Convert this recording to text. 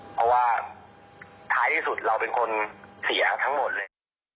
เพราะว่าท้ายที่สุดเราเป็นคนเสียทั้งหมดเลย